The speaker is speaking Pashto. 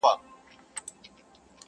موږکان د غار په خوله کي ګرځېدله.